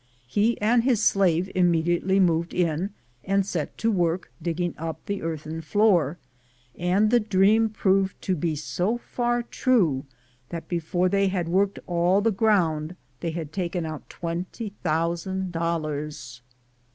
He and his slave immediately moved in, and set to work digging up the earthen floor, and the dream proved to be so far true that before they had worked all the ground they had taken out twenty thousand dollars.